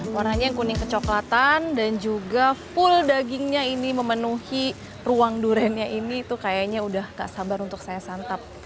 warnanya yang kuning kecoklatan dan juga full dagingnya ini memenuhi ruang duriannya ini tuh kayaknya udah gak sabar untuk saya santap